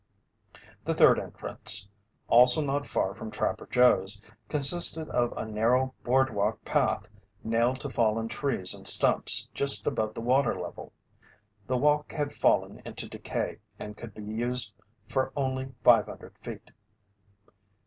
The third entrance, also not far from Trapper Joe's, consisted of a narrow boardwalk path nailed to fallen trees and stumps just above the water level. The walk had fallen into decay and could be used for only five hundred feet.